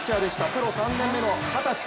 プロ３年目の二十歳